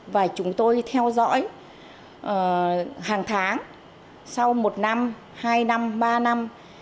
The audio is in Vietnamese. và chúng tôi theo dõi hàng tháng sau một năm hai năm ba năm